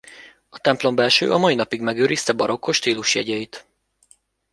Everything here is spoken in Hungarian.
A templombelső a mai napig megőrizte barokkos stílusjegyeit.